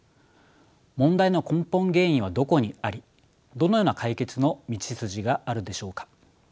問題の根本原因はどこにありどのような解決の道筋があるでしょうか。